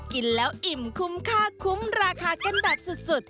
กินแล้วอิ่มคุ้มค่าคุ้มราคากันแบบสุด